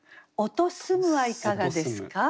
「音澄む」はいかがですか？